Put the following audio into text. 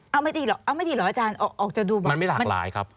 เอาไม่ดีหรอกเอาไม่ดีเหรออาจารย์ออกจะดูแบบมันไม่หลากหลายครับ